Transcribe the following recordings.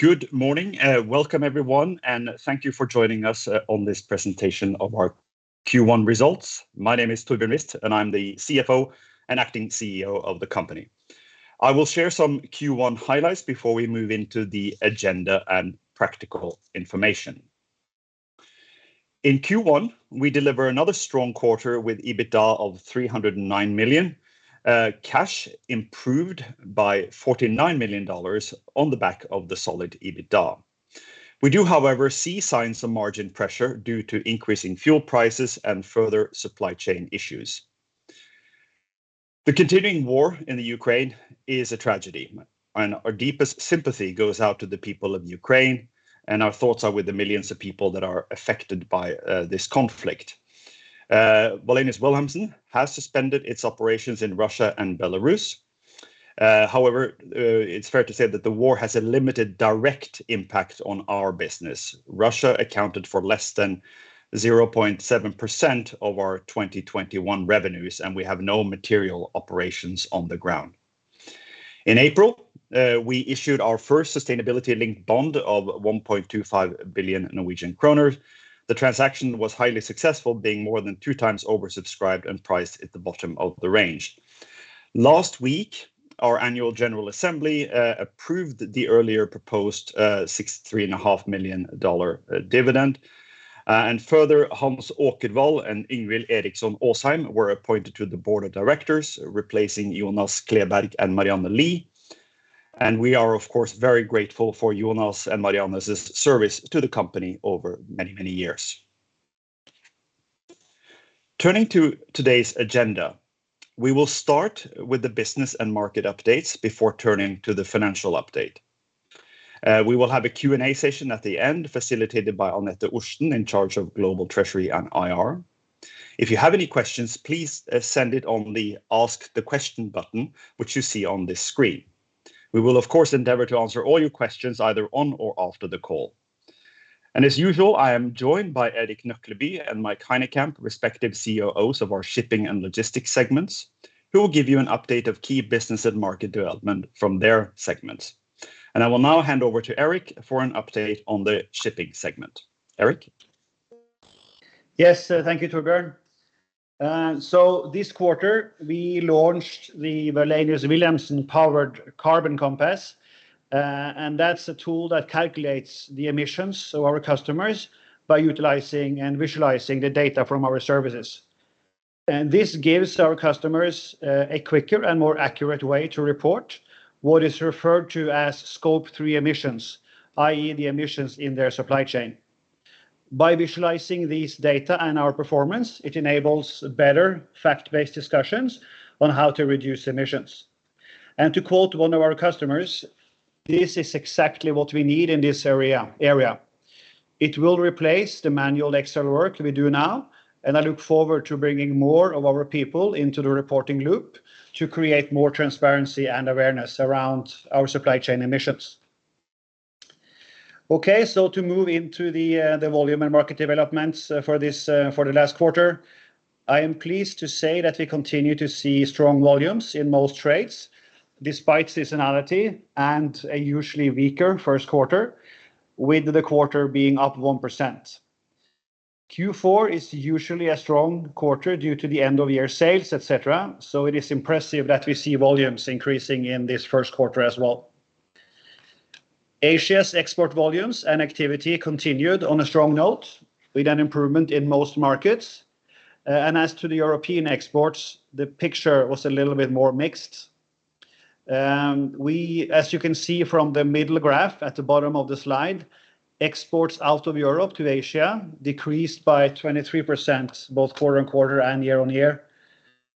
Good morning. Welcome everyone, and thank you for joining us on this presentation of our Q1 results. My name is Torbjørn Wist, and I'm the CFO and acting CEO of the company. I will share some Q1 highlights before we move into the agenda and practical information. In Q1, we deliver another strong quarter with EBITDA of $309 million. Cash improved by $49 million on the back of the solid EBITDA. We do, however, see signs of margin pressure due to increase in fuel prices and further supply chain issues. The continuing war in Ukraine is a tragedy, and our deepest sympathy goes out to the people of Ukraine, and our thoughts are with the millions of people that are affected by this conflict. Wallenius Wilhelmsen has suspended its operations in Russia and Belarus. However, it's fair to say that the war has a limited direct impact on our business. Russia accounted for less than 0.7% of our 2021 revenues, and we have no material operations on the ground. In April, we issued our first sustainability-linked bond of 1.25 billion Norwegian kroner. The transaction was highly successful, being more than two times oversubscribed and priced at the bottom of the range. Last week, our annual general assembly approved the earlier proposed $63.5 million dividend. Further, Hans Åkerwall and Yngvil Eriksson Åsheim were appointed to the board of directors, replacing Jonas Kleberg and Marianne Lie. We are of course very grateful for Jonas and Marianne's service to the company over many, many years. Turning to today's agenda, we will start with the business and market updates before turning to the financial update. We will have a Q&A session at the end facilitated by Anette Orsten in charge of global treasury and IR. If you have any questions, please send it on the ask the question button which you see on this screen. We will of course endeavor to answer all your questions either on or after the call. As usual, I am joined by Erik Nøklebye and Michael Hynekamp, respective COOs of our shipping and logistics segments, who will give you an update of key business and market development from their segments. I will now hand over to Erik for an update on the shipping segment. Erik? Yes, thank you, Torbjørn. This quarter, we launched the Wallenius Wilhelmsen-powered Carbon Compass. That's a tool that calculates the emissions of our customers by utilizing and visualizing the data from our services. This gives our customers a quicker and more accurate way to report what is referred to as Scope 3 emissions, i.e., the emissions in their supply chain. By visualizing these data and our performance, it enables better fact-based discussions on how to reduce emissions. To quote one of our customers, "This is exactly what we need in this area. It will replace the manual external work we do now, and I look forward to bringing more of our people into the reporting loop to create more transparency and awareness around our supply chain emissions." To move into the volume and market developments for the last quarter, I am pleased to say that we continue to see strong volumes in most trades, despite seasonality and a usually weaker first quarter, with the quarter being up 1%. Q4 is usually a strong quarter due to the end-of-year sales, et cetera, so it is impressive that we see volumes increasing in this first quarter as well. Asia's export volumes and activity continued on a strong note with an improvement in most markets. As to the European exports, the picture was a little bit more mixed. We, as you can see from the middle graph at the bottom of the slide, exports out of Europe to Asia decreased by 23% both quarter-on-quarter and year-on-year,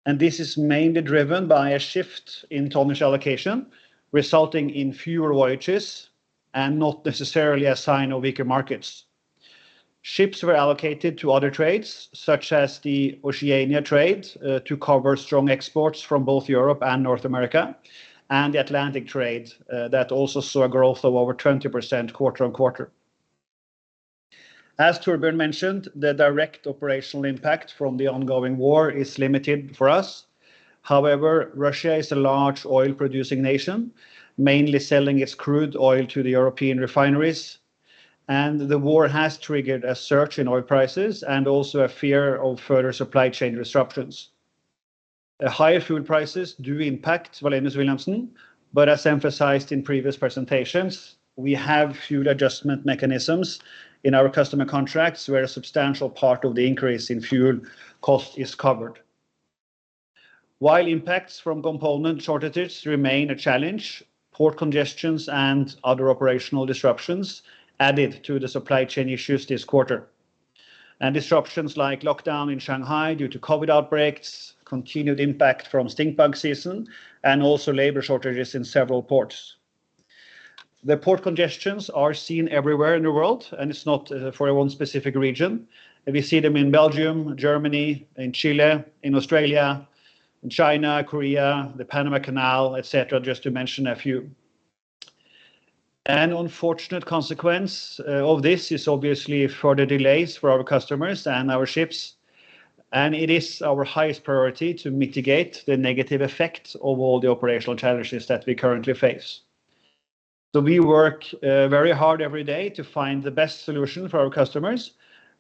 and this is mainly driven by a shift in tonnage allocation, resulting in fewer voyages and not necessarily a sign of weaker markets. Ships were allocated to other trades, such as the Oceania trade, to cover strong exports from both Europe and North America, and the Atlantic trade, that also saw a growth of over 20% quarter-on-quarter. As Torbjørn mentioned, the direct operational impact from the ongoing war is limited for us. However, Russia is a large oil-producing nation, mainly selling its crude oil to the European refineries, and the war has triggered a surge in oil prices and also a fear of further supply chain disruptions. Higher fuel prices do impact Wallenius Wilhelmsen, but as emphasized in previous presentations, we have fuel adjustment mechanisms in our customer contracts where a substantial part of the increase in fuel cost is covered. While impacts from component shortages remain a challenge, port congestions and other operational disruptions added to the supply chain issues this quarter, and disruptions like lockdown in Shanghai due to COVID outbreaks, continued impact from stink bug season, and also labor shortages in several ports. The port congestions are seen everywhere in the world, and it's not for one specific region. We see them in Belgium, Germany, in Chile, in Australia, in China, Korea, the Panama Canal, et cetera, just to mention a few. An unfortunate consequence of this is obviously further delays for our customers and our ships, and it is our highest priority to mitigate the negative effects of all the operational challenges that we currently face. We work very hard every day to find the best solution for our customers.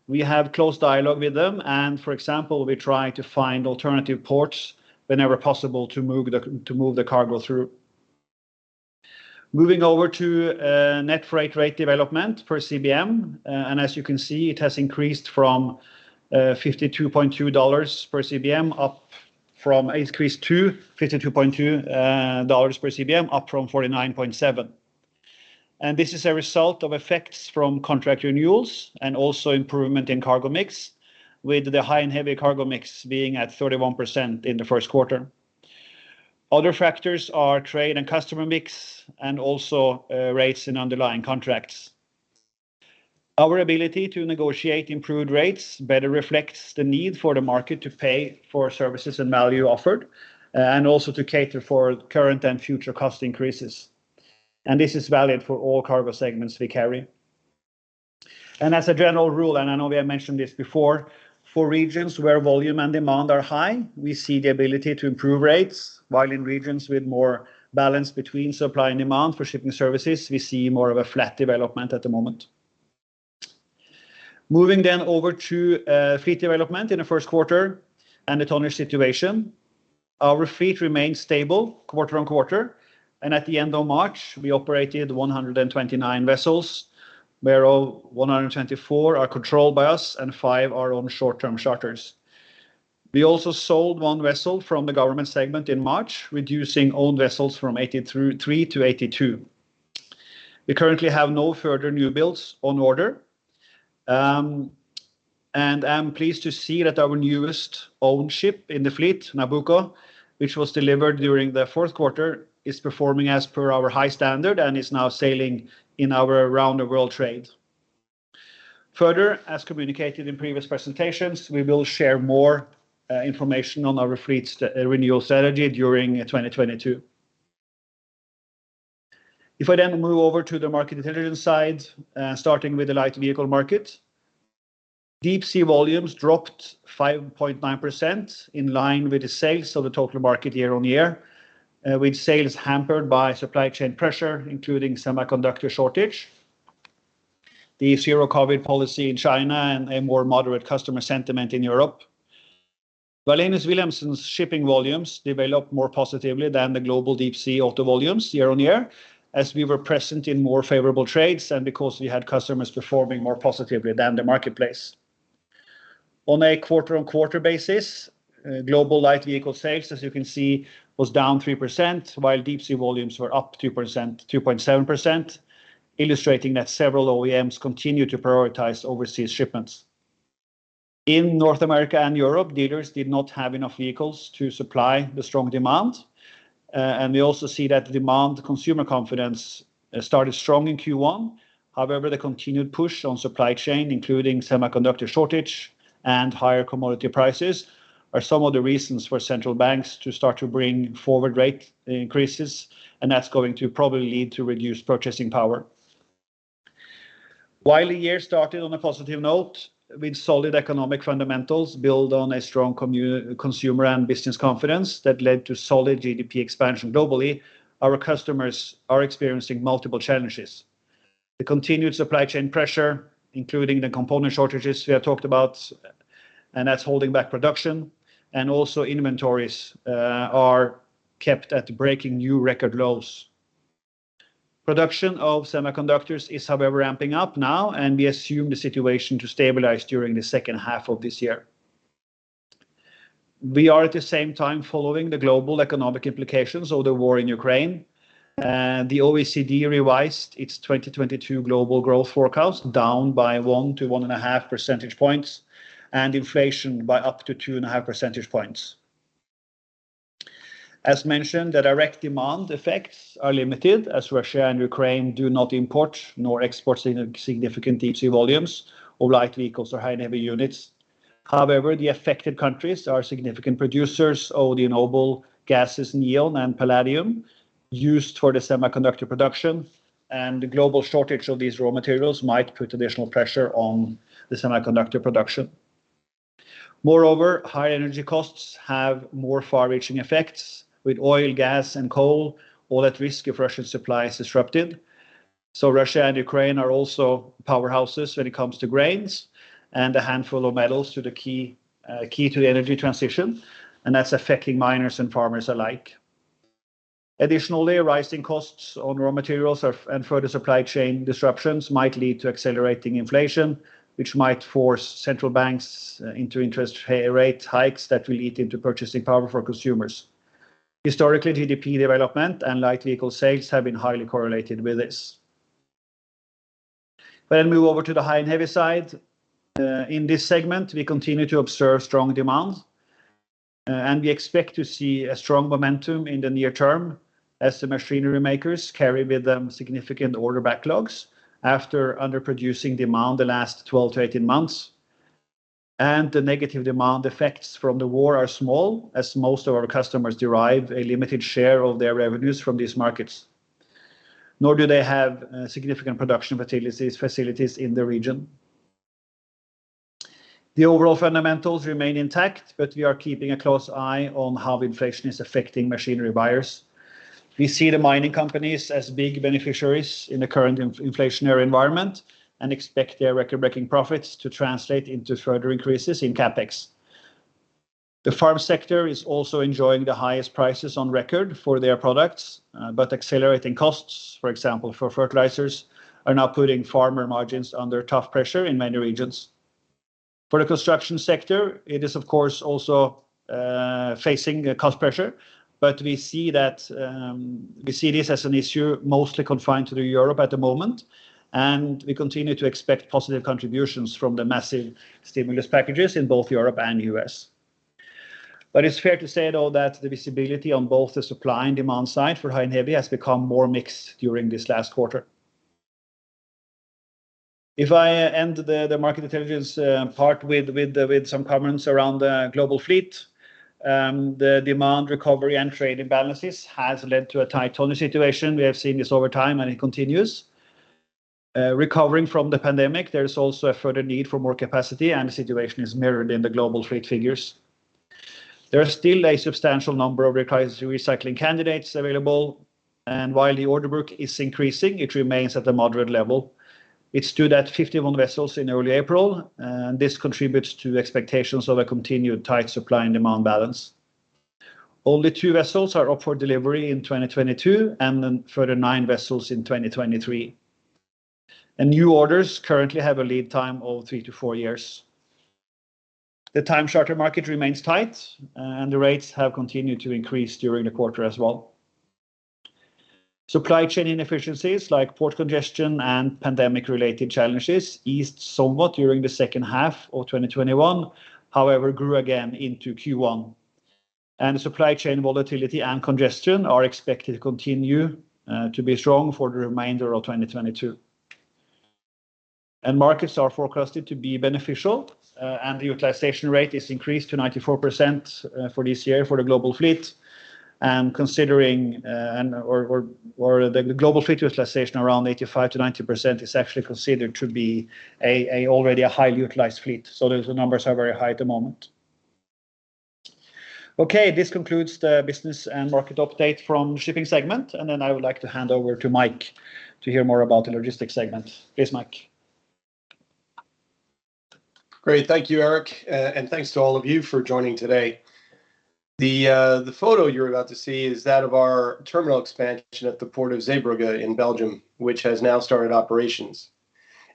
We have close dialogue with them, and for example, we try to find alternative ports whenever possible to move the cargo through. Moving over to net freight rate development per CBM, and as you can see, it has increased to $52.2 per CBM, up from $49.7. This is a result of effects from contract renewals and also improvement in cargo mix, with the high and heavy cargo mix being at 31% in the first quarter. Other factors are trade and customer mix and also rates in underlying contracts. Our ability to negotiate improved rates better reflects the need for the market to pay for services and value offered, and also to cater for current and future cost increases, and this is valid for all cargo segments we carry. As a general rule, and I know we have mentioned this before, for regions where volume and demand are high, we see the ability to improve rates, while in regions with more balance between supply and demand for shipping services, we see more of a flat development at the moment. Moving over to fleet development in the first quarter and the tonnage situation. Our fleet remains stable quarter-on-quarter, and at the end of March, we operated 129 vessels, where all 124 are controlled by us and five are on short-term charters. We also sold one vessel from the Government Services segment in March, reducing owned vessels from 83 to 82. We currently have no further new builds on order, and I'm pleased to see that our newest owned ship in the fleet, Nabucco, which was delivered during the fourth quarter, is performing as per our high standard and is now sailing in our around the world trade. Further, as communicated in previous presentations, we will share more information on our fleet renewal strategy during 2022. If I then move over to the market intelligence side, starting with the light vehicle market, deep sea volumes dropped 5.9% in line with the sales, so the total market year-on-year, with sales hampered by supply chain pressure, including semiconductor shortage, the zero COVID policy in China, and a more moderate customer sentiment in Europe. Wallenius Wilhelmsen's shipping volumes developed more positively than the global deep sea auto volumes year-on-year, as we were present in more favorable trades and because we had customers performing more positively than the marketplace. On a quarter-on-quarter basis, global light vehicle sales, as you can see, was down 3%, while deep sea volumes were up 2%, 2.7%, illustrating that several OEMs continue to prioritize overseas shipments. In North America and Europe, dealers did not have enough vehicles to supply the strong demand, and we also see that demand consumer confidence started strong in Q1. However, the continued push on supply chain, including semiconductor shortage and higher commodity prices, are some of the reasons for central banks to start to bring forward rate increases, and that's going to probably lead to reduced purchasing power. While the year started on a positive note with solid economic fundamentals built on a strong consumer and business confidence that led to solid GDP expansion globally, our customers are experiencing multiple challenges. The continued supply chain pressure, including the component shortages we have talked about, and that's holding back production, and also inventories are kept at breaking new record lows. Production of semiconductors is, however, ramping up now, and we assume the situation to stabilize during the second half of this year. We are at the same time following the global economic implications of the war in Ukraine. The OECD revised its 2022 global growth forecast down by 1 to 1.5 percentage points and inflation by up to 2.5 percentage points. As mentioned, the direct demand effects are limited as Russia and Ukraine do not import nor export significant deep sea volumes or light vehicles or high and heavy units. However, the affected countries are significant producers of the noble gases neon and palladium used for the semiconductor production, and the global shortage of these raw materials might put additional pressure on the semiconductor production. Moreover, high energy costs have more far-reaching effects, with oil, gas, and coal all at risk if Russian supply is disrupted. Russia and Ukraine are also powerhouses when it comes to grains and a handful of metals to the key to the energy transition, and that's affecting miners and farmers alike. Additionally, rising costs on raw materials and further supply chain disruptions might lead to accelerating inflation, which might force central banks into interest rate hikes that will eat into purchasing power for consumers. Historically, GDP development and light vehicle sales have been highly correlated with this. We then move over to the high and heavy side. In this segment, we continue to observe strong demand, and we expect to see a strong momentum in the near term as the machinery makers carry with them significant order backlogs after underproducing demand the last 12-18 months. The negative demand effects from the war are small, as most of our customers derive a limited share of their revenues from these markets, nor do they have significant production facilities in the region. The overall fundamentals remain intact, but we are keeping a close eye on how inflation is affecting machinery buyers. We see the mining companies as big beneficiaries in the current inflationary environment and expect their record-breaking profits to translate into further increases in CapEx. The farm sector is also enjoying the highest prices on record for their products. Accelerating costs, for example, for fertilizers, are now putting farmer margins under tough pressure in many regions. For the construction sector, it is of course also facing a cost pressure, but we see this as an issue mostly confined to Europe at the moment, and we continue to expect positive contributions from the massive stimulus packages in both Europe and U.S. It's fair to say though that the visibility on both the supply and demand side for high and heavy has become more mixed during this last quarter. If I end market intelligence part with some comments around the global fleet, the demand recovery and trade imbalances has led to a tight owner situation. We have seen this over time, and it continues. Recovering from the pandemic, there is also a further need for more capacity, and the situation is mirrored in the global fleet figures. There are still a substantial number of required recycling candidates available, and while the order book is increasing, it remains at a moderate level. It stood at 51 vessels in early April, and this contributes to expectations of a continued tight supply and demand balance. Only two vessels are up for delivery in 2022, and then further nine vessels in 2023. New orders currently have a lead time of three to four years. The time charter market remains tight, and the rates have continued to increase during the quarter as well. Supply chain inefficiencies like port congestion and pandemic-related challenges eased somewhat during the second half of 2021, however grew again into Q1. Supply chain volatility and congestion are expected to continue to be strong for the remainder of 2022. Markets are forecasted to be beneficial, and the utilization rate is increased to 94% for this year for the global fleet. Considering the global fleet utilization around 85%-90% is actually considered to be already a highly utilized fleet. Those numbers are very high at the moment. Okay, this concludes the business and market update from shipping segment, and then I would like to hand over to Mike to hear more about the logistics segment. Please, Mike. Great. Thank you, Erik, and thanks to all of you for joining today. The photo you're about to see is that of our terminal expansion at the Port of Zeebrugge in Belgium, which has now started operations.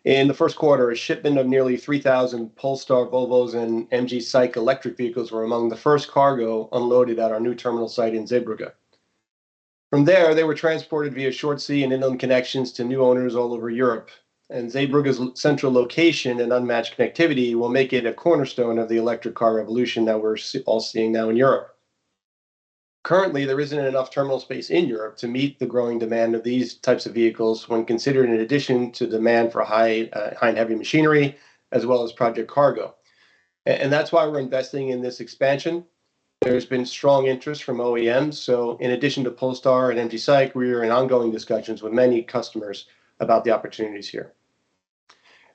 In the first quarter, a shipment of nearly 3,000 Polestar, Volvos, and MG SAIC electric vehicles were among the first cargo unloaded at our new terminal site in Zeebrugge. From there, they were transported via short sea and inland connections to new owners all over Europe. Zeebrugge's central location and unmatched connectivity will make it a cornerstone of the electric car revolution that we're all seeing now in Europe. Currently, there isn't enough terminal space in Europe to meet the growing demand of these types of vehicles when considering an addition to demand for high and heavy machinery, as well as project cargo. That's why we're investing in this expansion. There has been strong interest from OEMs, so in addition to Polestar and MG Cycl, we are in ongoing discussions with many customers about the opportunities here.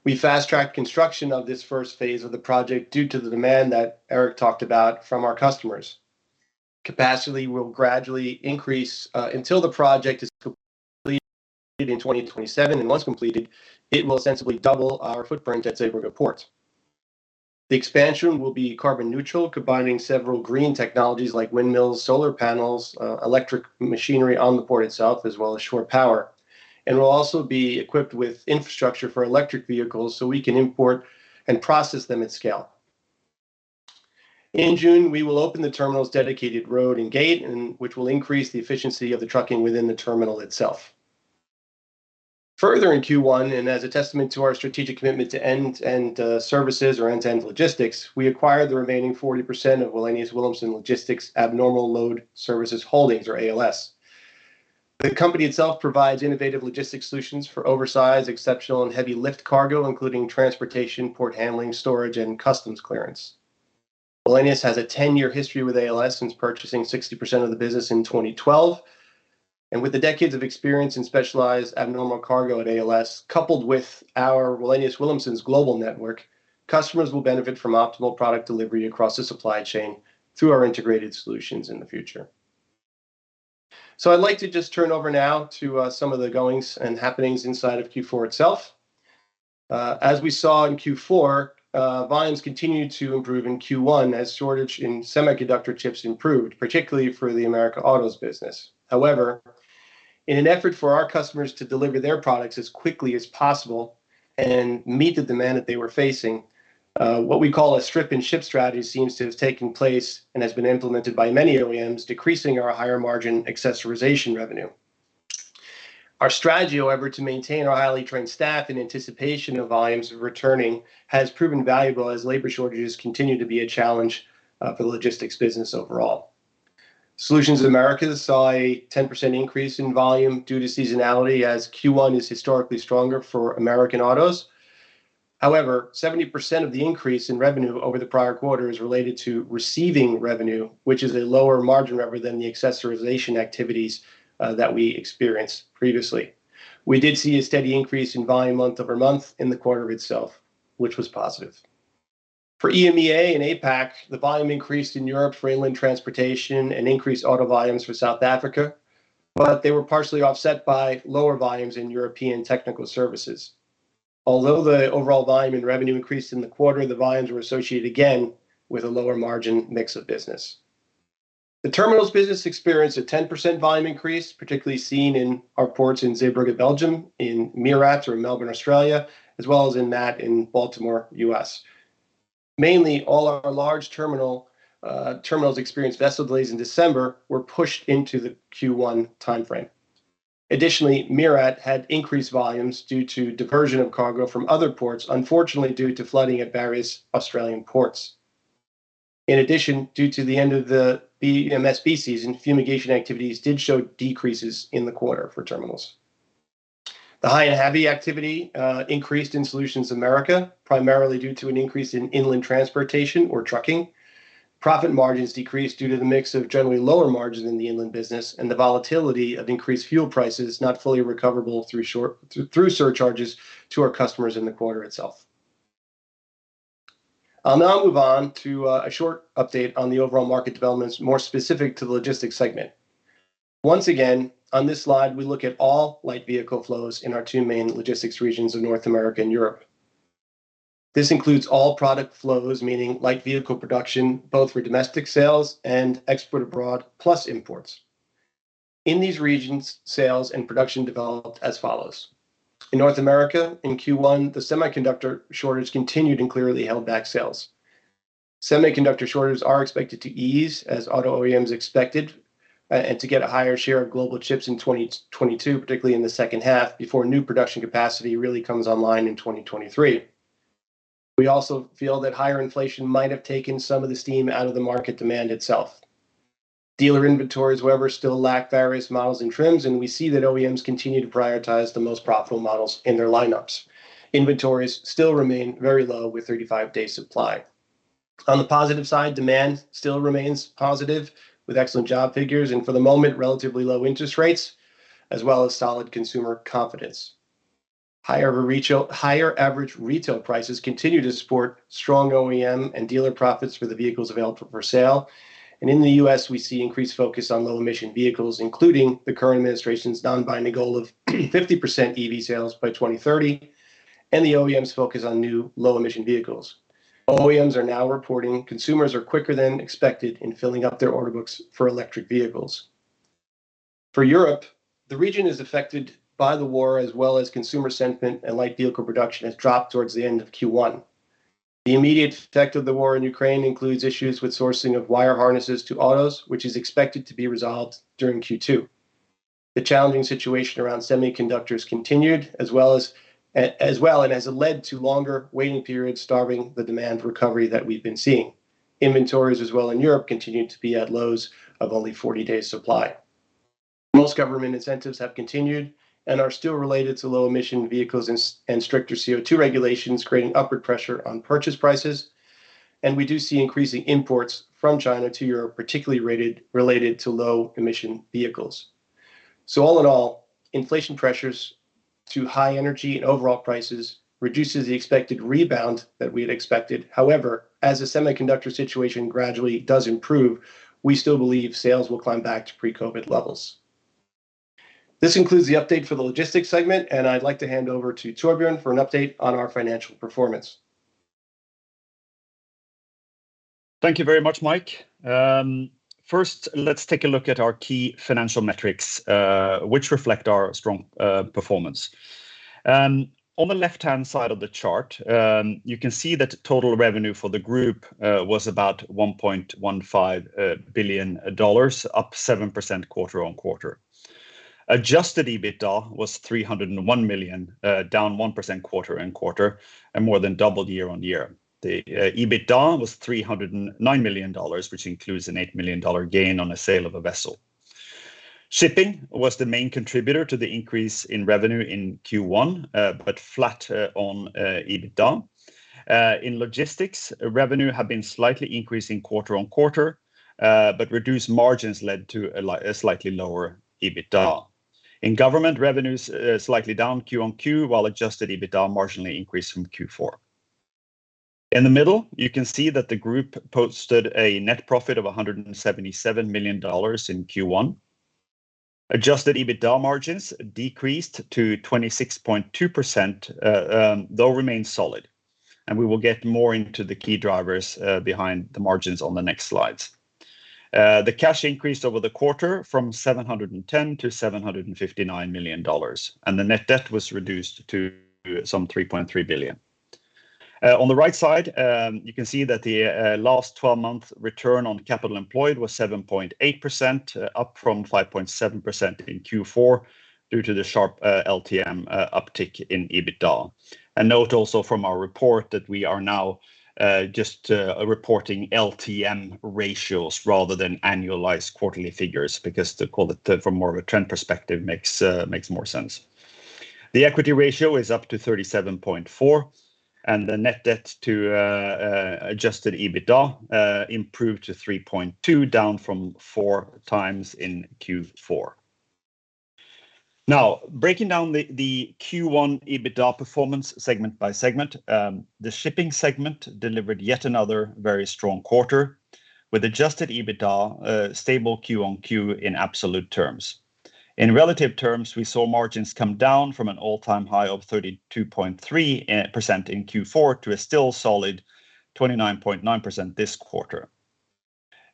We fast-tracked construction of this first phase of the project due to the demand that Erik talked about from our customers. Capacity will gradually increase until the project is complete in 2027, and once completed, it will ostensibly double our footprint at Zeebrugge Port. The expansion will be carbon neutral, combining several green technologies like windmills, solar panels, electric machinery on the port itself, as well as shore power, and will also be equipped with infrastructure for electric vehicles so we can import and process them at scale. In June, we will open the terminal's dedicated road and gate, and which will increase the efficiency of the trucking within the terminal itself. Further in Q1, as a testament to our strategic commitment to end-to-end services or end-to-end logistics, we acquired the remaining 40% of Wallenius Wilhelmsen Abnormal Load Services Holdings, or ALS. The company itself provides innovative logistics solutions for oversized, exceptional, and heavy lift cargo, including transportation, port handling, storage, and customs clearance. Wallenius has a 10-year history with ALS since purchasing 60% of the business in 2012. With the decades of experience in specialized abnormal cargo at ALS, coupled with our Wallenius Wilhelmsen's global network, customers will benefit from optimal product delivery across the supply chain through our integrated solutions in the future. I'd like to just turn over now to some of the goings and happenings inside of Q4 itself. As we saw in Q4, volumes continued to improve in Q1 as shortage in semiconductor chips improved, particularly for the Americas autos business. However, in an effort for our customers to deliver their products as quickly as possible and meet the demand that they were facing, what we call a strip and ship strategy seems to have taken place and has been implemented by many OEMs, decreasing our higher margin accessorization revenue. Our strategy, however, to maintain our highly trained staff in anticipation of volumes returning has proven valuable as labor shortages continue to be a challenge for the logistics business overall. Solutions America saw a 10% increase in volume due to seasonality as Q1 is historically stronger for Americas autos. However, 70% of the increase in revenue over the prior quarter is related to receiving revenue, which is a lower margin revenue than the accessorization activities, that we experienced previously. We did see a steady increase in volume month-over-month in the quarter itself, which was positive. For EMEA and APAC, the volume increased in Europe for inland transportation and increased auto volumes for South Africa, but they were partially offset by lower volumes in European technical services. Although the overall volume and revenue increased in the quarter, the volumes were associated again with a lower margin mix of business. The terminals business experienced a 10% volume increase, particularly seen in our ports in Zeebrugge, Belgium, in Mumbai or Melbourne, Australia, as well as in Baltimore, U.S. Mainly, all our large terminals experienced vessel delays in December were pushed into the Q1 timeframe. Additionally, Meerat had increased volumes due to diversion of cargo from other ports, unfortunately due to flooding at various Australian ports. In addition, due to the end of the BMSB season, fumigation activities did show decreases in the quarter for terminals. The high and heavy activity increased in Solutions America, primarily due to an increase in inland transportation or trucking. Profit margins decreased due to the mix of generally lower margin in the inland business and the volatility of increased fuel prices not fully recoverable through surcharges to our customers in the quarter itself. I'll now move on to a short update on the overall market developments more specific to the logistics segment. Once again, on this slide we look at all light vehicle flows in our two main logistics regions of North America and Europe. This includes all product flows, meaning light vehicle production, both for domestic sales and export abroad, plus imports. In these regions, sales and production developed as follows. In North America, in Q1, the semiconductor shortage continued and clearly held back sales. Semiconductor shortages are expected to ease as auto OEMs expected, and to get a higher share of global chips in 2022, particularly in the second half, before new production capacity really comes online in 2023. We also feel that higher inflation might have taken some of the steam out of the market demand itself. Dealer inventories, however, still lack various models and trims, and we see that OEMs continue to prioritize the most profitable models in their lineups. Inventories still remain very low, with 35 days supply. On the positive side, demand still remains positive, with excellent job figures and, for the moment, relatively low interest rates, as well as solid consumer confidence. Higher average retail prices continue to support strong OEM and dealer profits for the vehicles available for sale. In the U.S., we see increased focus on low emission vehicles, including the current administration's non-binding goal of 50% EV sales by 2030, and the OEMs focus on new low emission vehicles. OEMs are now reporting consumers are quicker than expected in filling up their order books for electric vehicles. For Europe, the region is affected by the war as well as consumer sentiment, and light vehicle production has dropped towards the end of Q1. The immediate effect of the war in Ukraine includes issues with sourcing of wire harnesses to autos, which is expected to be resolved during Q2. The challenging situation around semiconductors continued as well, and has led to longer waiting periods starving the demand recovery that we've been seeing. Inventories as well in Europe continued to be at lows of only 40 days supply. Most government incentives have continued and are still related to low emission vehicles and stricter CO2 regulations, creating upward pressure on purchase prices. We do see increasing imports from China to Europe, particularly rather related to low emission vehicles. All in all, inflation pressures due to high energy and overall prices reduces the expected rebound that we had expected. However, as the semiconductor situation gradually does improve, we still believe sales will climb back to pre-COVID levels. This concludes the update for the logistics segment, and I'd like to hand over to Torbjørn for an update on our financial performance. Thank you very much, Mike. First, let's take a look at our key financial metrics, which reflect our strong performance. On the left-hand side of the chart, you can see that total revenue for the group was about $1.15 billion, up 7% quarter-on-quarter. Adjusted EBITDA was $301 million, down 1% quarter-on-quarter and more than double year-on-year. The EBITDA was $309 million, which includes an $8 million gain on the sale of a vessel. Shipping was the main contributor to the increase in revenue in Q1, but flat on EBITDA. In logistics, revenue have been slightly increasing quarter-on-quarter, but reduced margins led to a slightly lower EBITDA. In Government revenues slightly down quarter-on-quarter, while Adjusted EBITDA marginally increased from Q4. In the middle, you can see that the group posted a net profit of $177 million in Q1. Adjusted EBITDA margins decreased to 26.2%, though remain solid. We will get more into the key drivers behind the margins on the next slides. The cash increased over the quarter from $710 million to $759 million, and the net debt was reduced to some $3.3 billion. On the right side, you can see that the last 12 month return on capital employed was 7.8%, up from 5.7% in Q4, due to the sharp LTM uptick in EBITDA. A note also from our report that we are now just reporting LTM ratios rather than annualized quarterly figures, because to call it from more of a trend perspective makes more sense. The equity ratio is up to 37.4, and the net debt to Adjusted EBITDA improved to 3.2, down from 4x in Q4. Now, breaking down the Q1 EBITDA performance segment by segment, the shipping segment delivered yet another very strong quarter with Adjusted EBITDA stable Q-on-Q in absolute terms. In relative terms, we saw margins come down from an all-time high of 32.3% in Q4 to a still solid 29.9% this quarter.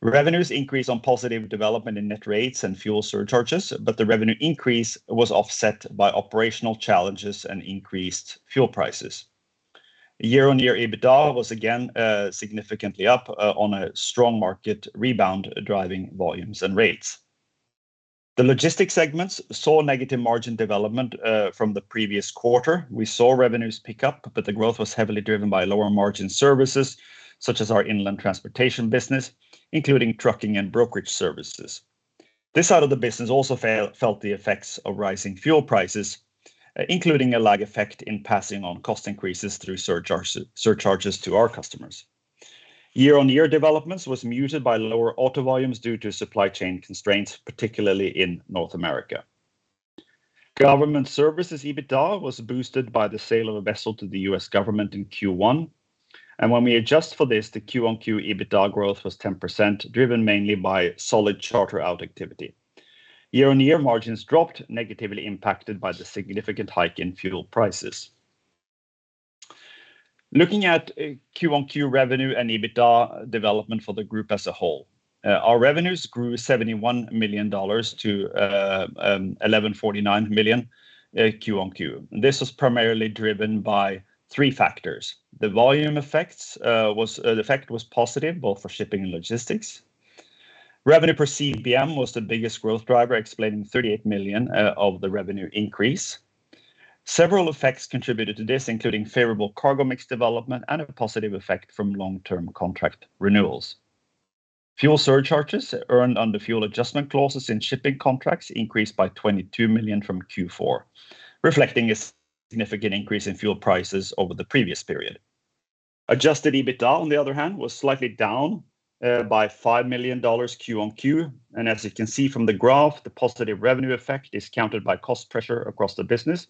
Revenues increased on positive development in net rates and fuel surcharges, but the revenue increase was offset by operational challenges and increased fuel prices. Year-on-year EBITDA was again significantly up on a strong market rebound, driving volumes and rates. The logistics segments saw negative margin development from the previous quarter. We saw revenues pick up, but the growth was heavily driven by lower margin services such as our inland transportation business, including trucking and brokerage services. This side of the business also felt the effects of rising fuel prices, including a lag effect in passing on cost increases through surcharges to our customers. Year-on-year developments was muted by lower auto volumes due to supply chain constraints, particularly in North America. Government services EBITDA was boosted by the sale of a vessel to the U.S. government in Q1. When we adjust for this, the quarter-on-quarter EBITDA growth was 10%, driven mainly by solid charter out activity. Year-on-year margins dropped, negatively impacted by the significant hike in fuel prices. Looking at Q-on-Q revenue and EBITDA development for the group as a whole, our revenues grew $71 million to $1,149 million Q-on-Q. This was primarily driven by three factors. The volume effect was positive both for shipping and logistics. Revenue per CBM was the biggest growth driver, explaining $38 million of the revenue increase. Several effects contributed to this, including favorable cargo mix development and a positive effect from long-term contract renewals. Fuel surcharges earned under fuel adjustment clauses in shipping contracts increased by $22 million from Q4, reflecting a significant increase in fuel prices over the previous period. Adjusted EBITDA, on the other hand, was slightly down by $5 million Q-on-Q. As you can see from the graph, the positive revenue effect is countered by cost pressure across the business.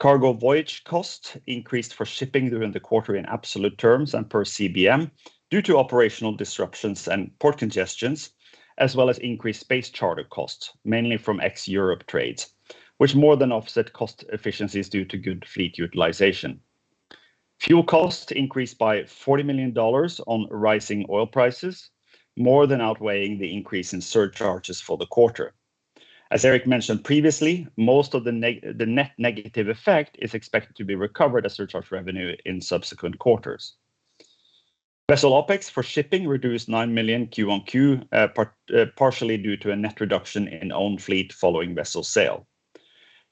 Cargo voyage cost increased for shipping during the quarter in absolute terms and per CBM due to operational disruptions and port congestions, as well as increased space charter costs, mainly from ex-Europe trades, which more than offset cost efficiencies due to good fleet utilization. Fuel costs increased by $40 million on rising oil prices, more than outweighing the increase in surcharges for the quarter. As Erik mentioned previously, most of the net negative effect is expected to be recovered as surcharge revenue in subsequent quarters. Vessel OpEx for shipping reduced $9 million quarter-over-quarter, partially due to a net reduction in owned fleet following vessel sale.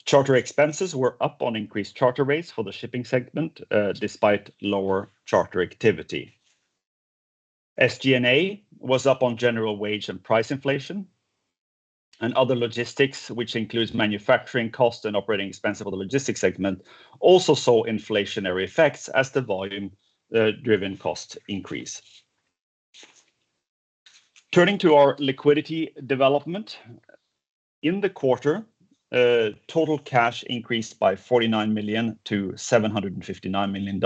Charter expenses were up on increased charter rates for the shipping segment, despite lower charter activity. SG&A was up on general wage and price inflation, and other logistics, which includes manufacturing costs and operating expenses for the logistics segment, also saw inflationary effects as the volume driven costs increase. Turning to our liquidity development, in the quarter, total cash increased by $49 million to $759 million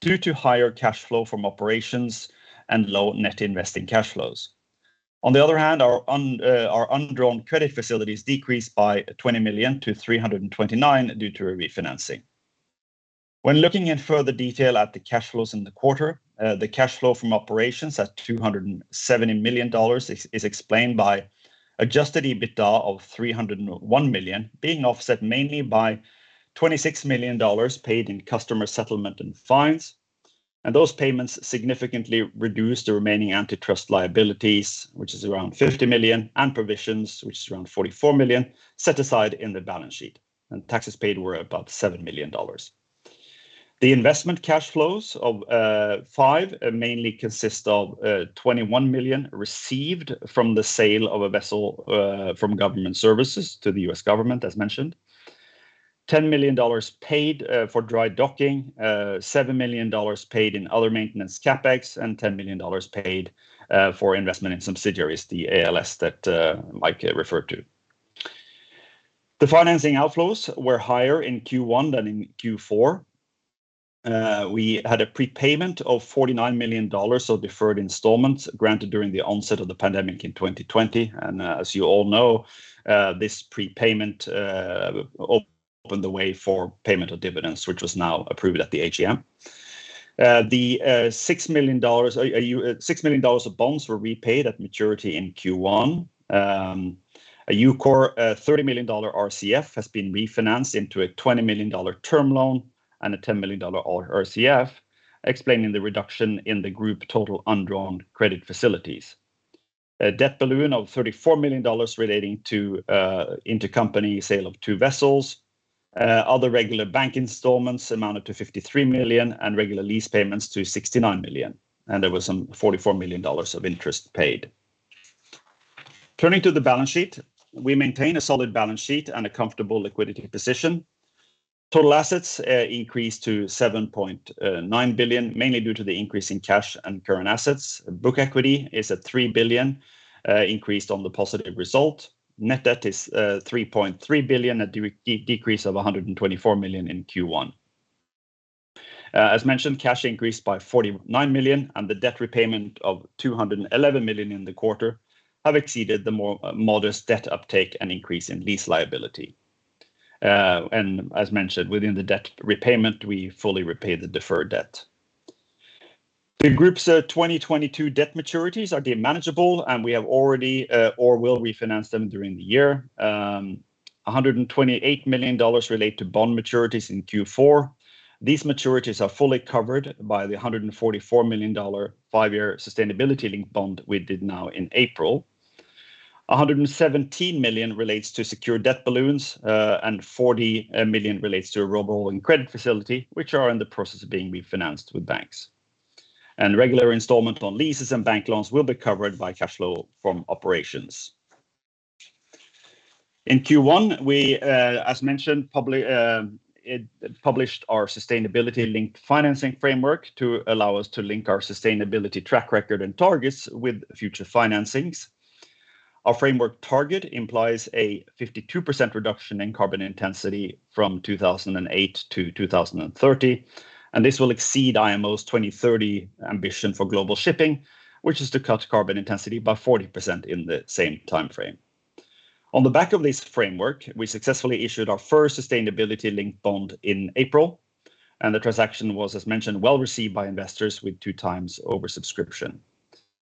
due to higher cash flow from operations and low net investing cash flows. On the other hand, our undrawn credit facilities decreased by $20 million to $329 million due to a refinancing. When looking in further detail at the cash flows in the quarter, the cash flow from operations at $270 million is explained by Adjusted EBITDA of $301 million, being offset mainly by $26 million paid in customer settlement and fines. Those payments significantly reduced the remaining antitrust liabilities, which is around $50 million, and provisions, which is around $44 million, set aside in the balance sheet. Taxes paid were about $7 million. The investment cash flows of five mainly consist of 21 million received from the sale of a vessel from Government Services to the U.S. government, as mentioned. $10 million paid for dry docking, $7 million paid in other maintenance CapEx, and $10 million paid for investment in subsidiaries, the ALS that Mike referred to. The financing outflows were higher in Q1 than in Q4. We had a prepayment of $49 million of deferred installments granted during the onset of the pandemic in 2020. As you all know, this prepayment opened the way for payment of dividends, which was now approved at the AGM. The $6 million of bonds were repaid at maturity in Q1. A EUKOR $30 million RCF has been refinanced into a $20 million term loan and a $10 million RCF, explaining the reduction in the group total undrawn credit facilities. A debt balloon of $34 million relating to intercompany sale of two vessels. Other regular bank installments amounted to $53 million, and regular lease payments to $69 million. There was some $44 million of interest paid. Turning to the balance sheet, we maintain a solid balance sheet and a comfortable liquidity position. Total assets increased to $7.9 billion, mainly due to the increase in cash and current assets. Book equity is at $3 billion, increased on the positive result. Net debt is $3.3 billion, a decrease of $124 million in Q1. As mentioned, cash increased by $49 million, and the debt repayment of $211 million in the quarter have exceeded the more modest debt uptake and increase in lease liability. And as mentioned, within the debt repayment, we fully repaid the deferred debt. The group's 2022 debt maturities are deemed manageable, and we have already or will refinance them during the year. $128 million relate to bond maturities in Q4. These maturities are fully covered by the $144 million five-year sustainability-linked bond we did now in April. $117 million relates to secured debt balloons, and $40 million relates to a revolving credit facility, which are in the process of being refinanced with banks. Regular installments on leases and bank loans will be covered by cash flow from operations. In Q1, we, as mentioned, published our sustainability-linked financing framework to allow us to link our sustainability track record and targets with future financings. Our framework target implies a 52% reduction in carbon intensity from 2008 to 2030, and this will exceed IMO's 2030 ambition for global shipping, which is to cut carbon intensity by 40% in the same timeframe. On the back of this framework, we successfully issued our first sustainability-linked bond in April, and the transaction was, as mentioned, well received by investors with 2x oversubscription.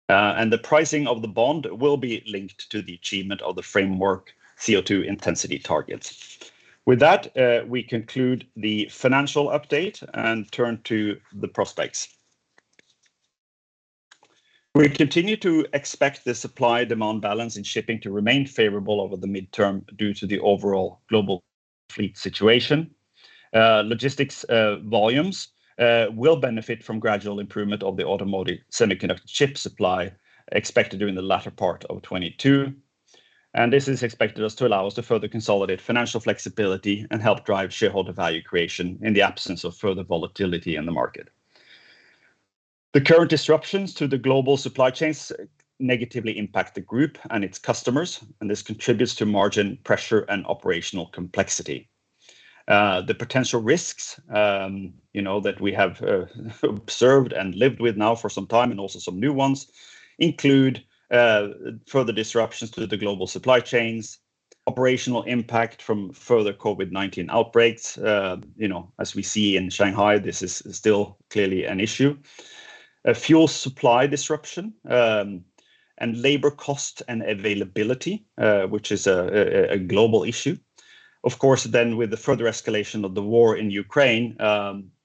The pricing of the bond will be linked to the achievement of the framework CO2 intensity targets. With that, we conclude the financial update and turn to the prospects. We continue to expect the supply-demand balance in shipping to remain favorable over the midterm due to the overall global fleet situation. Logistics volumes will benefit from gradual improvement of the automotive semiconductor chip supply expected during the latter part of 2022. This is expected to allow us to further consolidate financial flexibility and help drive shareholder value creation in the absence of further volatility in the market. The current disruptions to the global supply chains negatively impact the group and its customers, and this contributes to margin pressure and operational complexity. The potential risks, you know, that we have observed and lived with now for some time, and also some new ones, include further disruptions to the global supply chains, operational impact from further COVID-19 outbreaks, you know, as we see in Shanghai, this is still clearly an issue. A fuel supply disruption, and labor cost and availability, which is a global issue. Of course, with the further escalation of the war in Ukraine,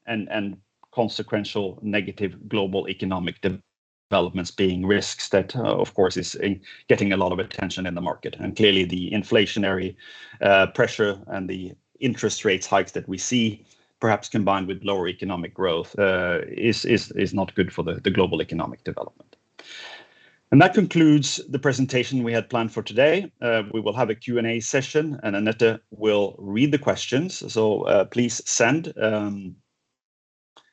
and consequential negative global economic developments being risks, that of course is getting a lot of attention in the market. Clearly the inflationary pressure and the interest rates hikes that we see, perhaps combined with lower economic growth, is not good for the global economic development. That concludes the presentation we had planned for today. We will have a Q&A session, and Anette will read the questions. Please send.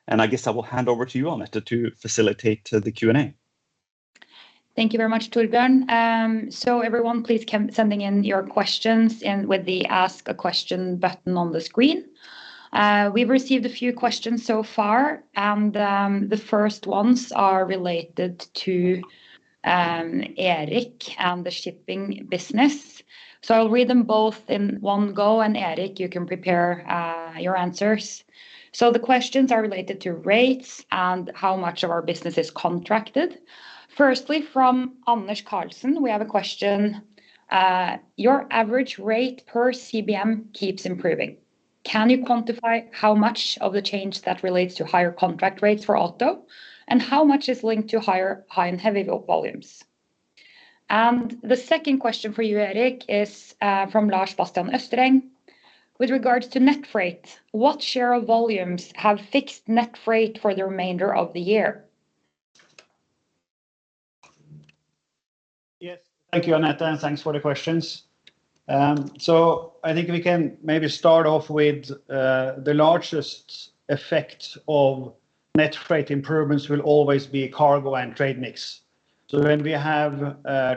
I guess I will hand over to you, Anette, to facilitate the Q&A. Thank you very much, Torbjørn. Everyone please send in your questions with the Ask a Question button on the screen. We've received a few questions so far, and the first ones are related to Erik and the shipping business. I'll read them both in one go, and Erik, you can prepare your answers. The questions are related to rates and how much of our business is contracted. Firstly, from Anders Redigh Karlsen, we have a question, "Your average rate per CBM keeps improving. Can you quantify how much of the change that relates to higher contract rates for auto, and how much is linked to higher high and heavy volumes?" The second question for you, Erik, is from Lars Bastian Østereng. With regards to net freight, what share of volumes have fixed net freight for the remainder of the year? Yes. Thank you, Anette, and thanks for the questions. I think we can maybe start off with the largest effect of net freight improvements will always be cargo and trade mix. When we have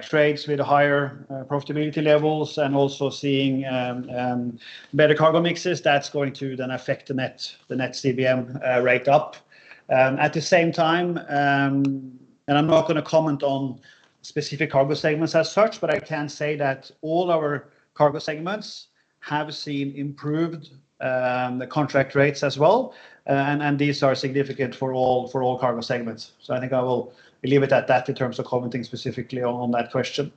trades with higher profitability levels and also seeing better cargo mixes, that's going to then affect the net CBM rate up. At the same time, I'm not gonna comment on specific cargo segments as such, but I can say that all our cargo segments have seen improved contract rates as well, and these are significant for all cargo segments. I think I will leave it at that in terms of commenting specifically on that question.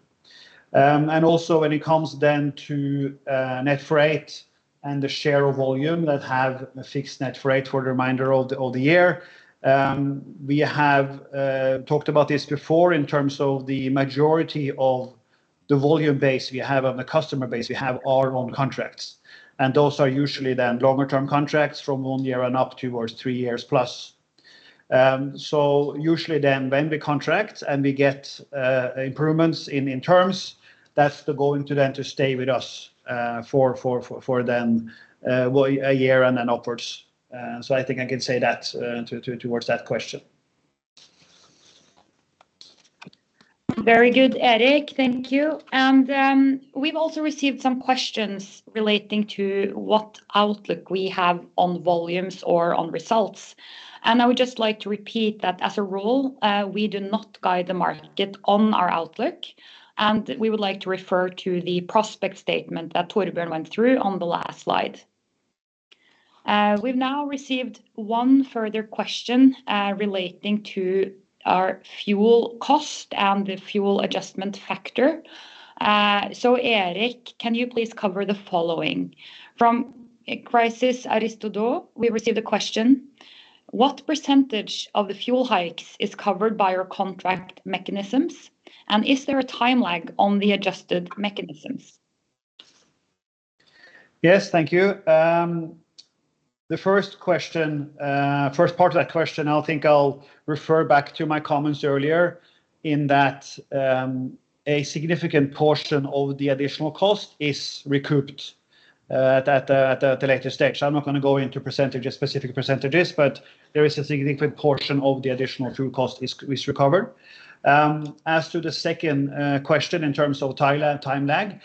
Also when it comes then to net freight and the share of volume that have a fixed net freight for the remainder of the year, we have talked about this before in terms of the majority of the volume base we have and the customer base we have are on contracts. Those are usually then longer term contracts from one year and up towards three years plus. Usually then when we contract and we get improvements in terms, that's going to then to stay with us for a year and then upwards. I think I can say that towards that question. Very good, Erik. Thank you. We've also received some questions relating to what outlook we have on volumes or on results. I would just like to repeat that as a rule, we do not guide the market on our outlook, and we would like to refer to the prospect statement that Torbjørn went through on the last slide. We've now received one further question, relating to our fuel cost and the fuel adjustment factor. Erik, can you please cover the following? From Cristian Signoretto, we received a question: What percentage of the fuel hikes is covered by your contract mechanisms, and is there a time lag on the adjusted mechanisms? Yes, thank you. The first question, first part of that question, I think I'll refer back to my comments earlier in that, a significant portion of the additional cost is recouped at a later stage. I'm not gonna go into percentages, specific percentages, but there is a significant portion of the additional fuel cost is recovered. As to the second question in terms of time lag,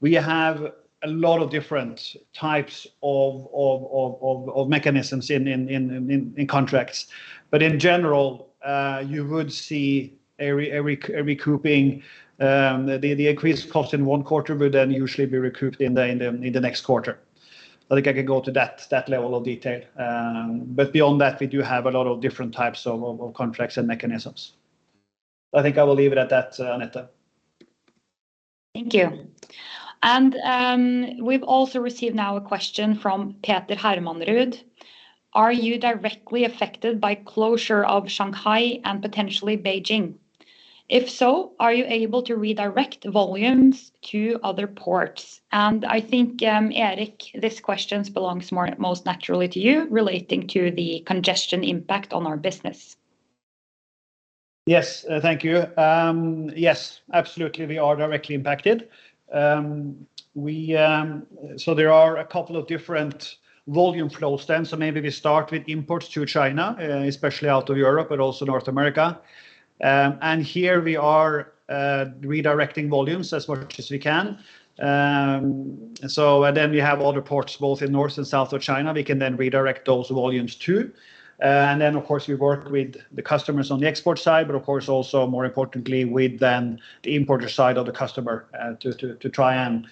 we have a lot of different types of mechanisms in contracts. In general, you would see a recouping, the increased cost in one quarter would then usually be recouped in the next quarter. I think I can go to that level of detail. Beyond that, we do have a lot of different types of contracts and mechanisms. I think I will leave it at that, Anette. Thank you. We've also received now a question from Peter Hermanrud: Are you directly affected by closure of Shanghai and potentially Beijing? If so, are you able to redirect volumes to other ports? I think, Erik, this question belongs more, most naturally to you relating to the congestion impact on our business. Yes. Thank you. Yes, absolutely we are directly impacted. There are a couple of different volume flow strands. Maybe we start with imports to China, especially out of Europe, but also North America. Here we are redirecting volumes as much as we can. We have other ports both in north and south of China. We can then redirect those volumes too. Of course, we work with the customers on the export side, but of course also more importantly with the importer side of the customer, to try and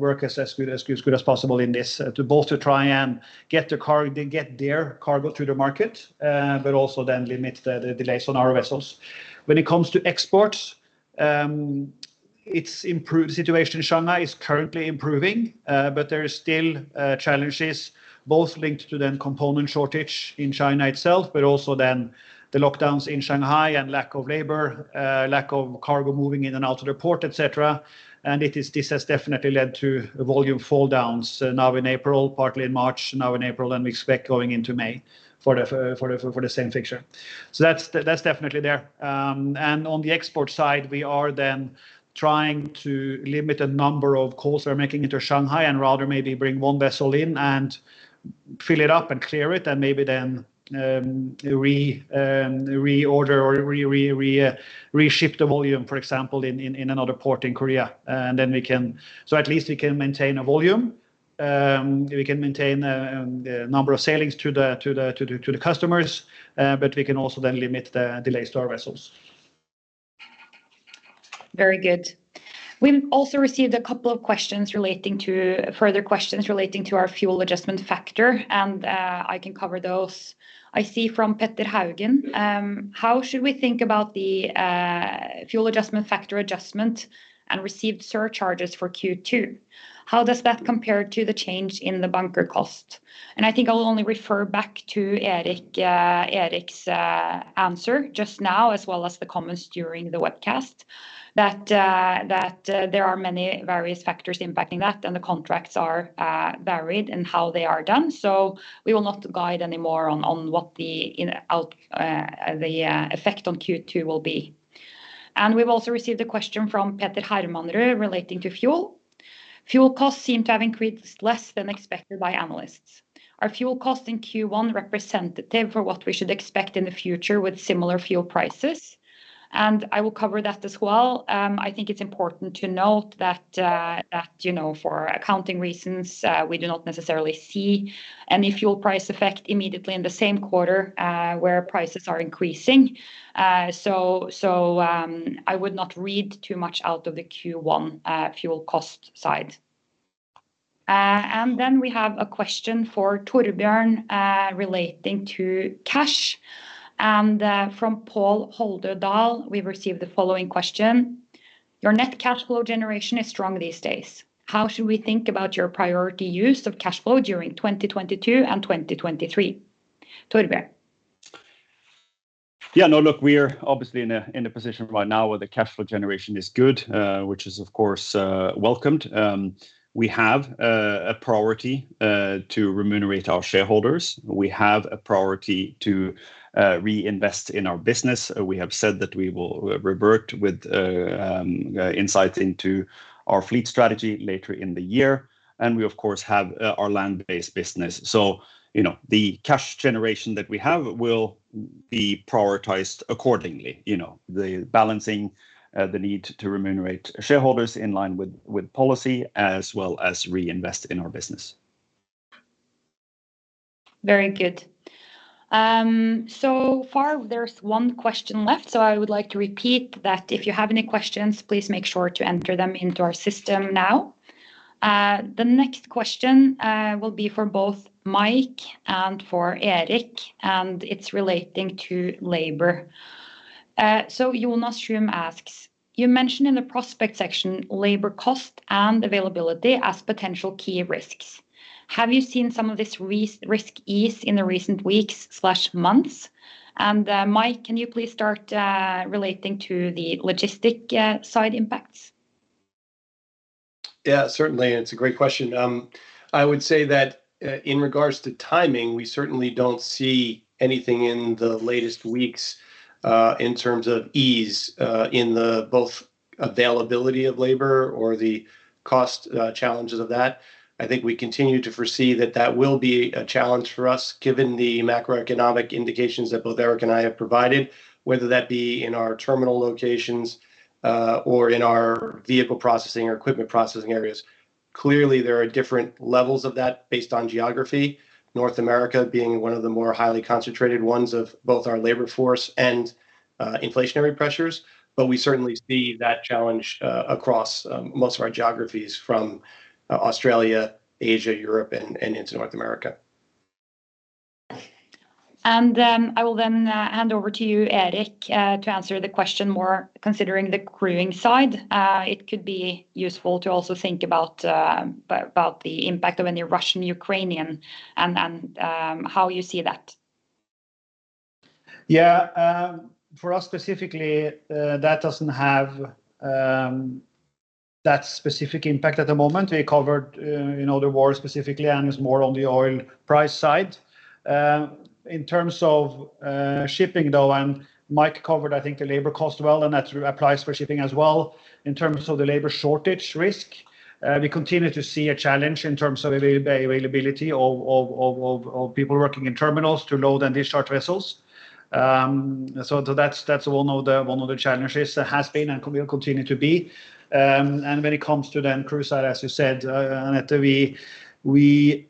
work as good as possible in this, to both try and get their cargo through the market, but also limit the delays on our vessels. When it comes to exports, it's improved. Situation in Shanghai is currently improving, but there is still challenges both linked to the component shortage in China itself, but also the lockdowns in Shanghai and lack of labor, lack of cargo moving in and out of the port, et cetera. This has definitely led to volume falldowns now in April, partly in March, now in April, and we expect going into May for the same picture. That's definitely there. On the export side, we are trying to limit the number of calls we are making into Shanghai and rather maybe bring one vessel in and fill it up and clear it and maybe then reship the volume, for example, in another port in Korea. At least we can maintain a volume, we can maintain the number of sailings to the customers, but we can also limit the delays to our vessels. Very good. We've also received a couple of questions relating to further questions relating to our fuel adjustment factor, and I can cover those. I see from Petter Haugen: How should we think about the fuel adjustment factor adjustment and received surcharges for Q2? How does that compare to the change in the bunker cost? I think I'll only refer back to Erik Nøklebye's answer just now as well as the comments during the webcast that there are many various factors impacting that and the contracts are varied in how they are done. We will not guide anymore on what the, you know, effect on Q2 will be. We've also received a question from Peter Hermanrud relating to fuel. Fuel costs seem to have increased less than expected by analysts. Are fuel costs in Q1 representative for what we should expect in the future with similar fuel prices? I will cover that as well. I think it's important to note that you know, for accounting reasons, we do not necessarily see any fuel price effect immediately in the same quarter where prices are increasing. I would not read too much out of the Q1 fuel cost side. Then we have a question for Torbjørn, relating to cash, from Pål Holderdal, we received the following question: Your net cash flow generation is strong these days. How should we think about your priority use of cash flow during 2022 and 2023? Torbjørn. Yeah, no, look, we are obviously in a position right now where the cash flow generation is good, which is of course welcomed. We have a priority to remunerate our shareholders. We have a priority to reinvest in our business. We have said that we will revert with insights into our fleet strategy later in the year, and we of course have our land-based business. You know, the cash generation that we have will be prioritized accordingly. You know, the balancing the need to remunerate shareholders in line with policy as well as reinvest in our business. Very good. So far there's one question left, so I would like to repeat that if you have any questions, please make sure to enter them into our system now. The next question will be for both Mike and for Erik, and it's relating to labor. So Jonas Trum asks, "You mentioned in the prospect section labor cost and availability as potential key risks. Have you seen some of this risk ease in the recent weeks/months? And, Mike, can you please start relating to the logistics side impacts? Yeah, certainly. It's a great question. I would say that, in regards to timing, we certainly don't see anything in the latest weeks, in terms of ease, in the both availability of labor or the cost, challenges of that. I think we continue to foresee that will be a challenge for us given the macroeconomic indications that both Erik and I have provided, whether that be in our terminal locations, or in our vehicle processing or equipment processing areas. Clearly, there are different levels of that based on geography, North America being one of the more highly concentrated ones of both our labor force and, inflationary pressures. We certainly see that challenge, across most of our geographies from Australia, Asia, Europe, and into North America. I will then hand over to you, Erik, to answer the question more considering the crewing side. It could be useful to also think about the impact of any Russian-Ukrainian and how you see that. Yeah. For us specifically, that doesn't have that specific impact at the moment. We covered, you know, the war specifically, and it's more on the oil price side. In terms of shipping though, and Mike covered, I think, the labor cost well, and that applies for shipping as well. In terms of the labor shortage risk, we continue to see a challenge in terms of availability of people working in terminals to load and discharge vessels. That's one of the challenges that has been and will continue to be. When it comes to the crew side, as you said, Anette, we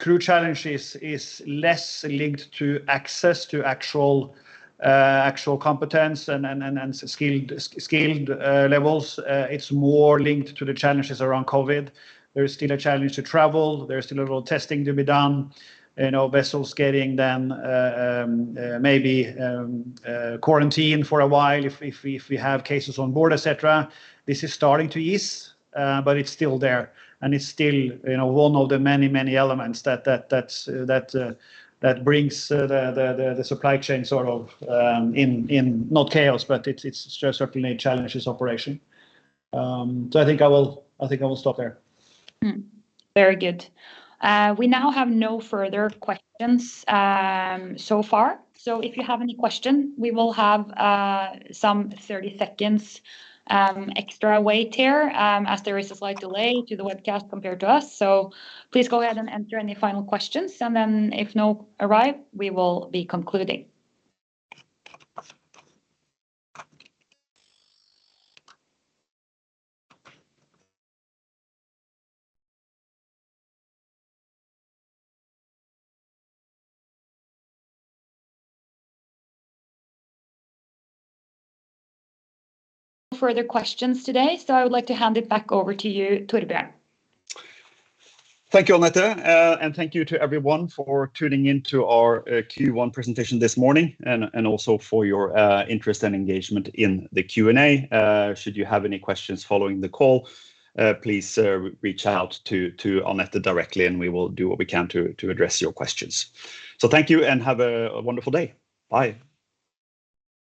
crew challenges is less linked to access to actual competence and skilled levels. It's more linked to the challenges around COVID. There is still a challenge to travel. There is still a little testing to be done. You know, vessels maybe getting quarantined for a while if we have cases on board, et cetera. This is starting to ease, but it's still there, and it's still, you know, one of the many elements that brings the supply chain sort of in, not chaos, but it's certainly challenging operations. I think I will stop there. Very good. We now have no further questions so far. If you have any question, we will have some 30 seconds extra wait here, as there is a slight delay to the webcast compared to us. Please go ahead and enter any final questions, and then if no arrive, we will be concluding. No further questions today, so I would like to hand it back over to you, Torbjørn. Thank you, Anette, and thank you to everyone for tuning into our Q1 presentation this morning and also for your interest and engagement in the Q&A. Should you have any questions following the call, please reach out to Anette directly, and we will do what we can to address your questions. Thank you, and have a wonderful day. Bye.